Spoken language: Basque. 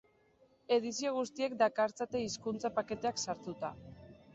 Edizio guztiek dakartzate hizkuntza paketeak sartuta.